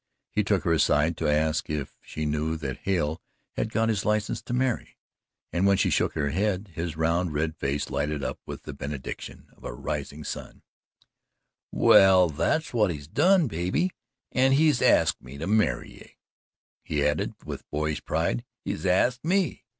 He took her aside to ask her if she knew that Hale had got his license to marry, and when she shook her head, his round, red face lighted up with the benediction of a rising sun: "Well, that's what he's done, baby, an' he's axed me to marry ye," he added, with boyish pride, "he's axed ME."